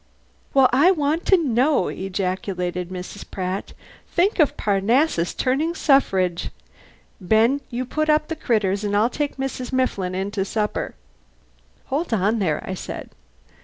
"Well, I want to know!" ejaculated Mrs. Pratt. "Think of Parnassus turned suffrage! Ben, you put up the critters, and I'll take Mrs. Mifflin in to supper." "Hold on there," I said.